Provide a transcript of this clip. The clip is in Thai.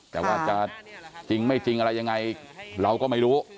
แต่ว่าจะจริงไม่จริงอะไรยังไงเราก็ไม่รู้